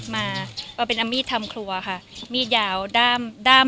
มาเป็นอามีดทำครัวค่ะมีดยาวด้าม